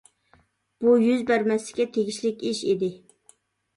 بۇ يۈز بەرمەسلىككە تېگىشلىك ئىش ئىدى.